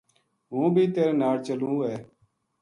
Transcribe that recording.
ہوں بی تیرے ناڑ چلوںہے